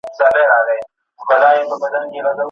خدایه څه په سره اهاړ کي انتظار د مسافر یم